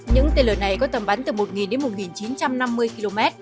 những tên lửa này có tầm bắn từ một đến một chín trăm năm mươi km